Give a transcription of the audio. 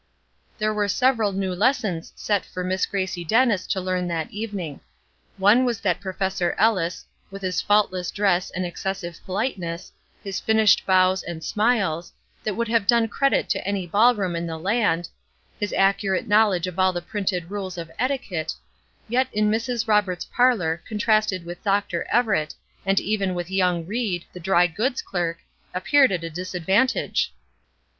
There were several new lessons set for Miss Gracie Dennis to learn that evening. One was that Professor Ellis, with his faultless dress and excessive politeness, his finished bows and smiles, that would have done credit to any ball room in the land, his accurate knowledge of all the printed rules of etiquette, yet in Mrs. Roberts' parlor, contrasted with Dr. Everett, and even with young Ried, the dry goods clerk, appeared at a disadvantage.